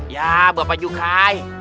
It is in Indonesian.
ya bapak jukai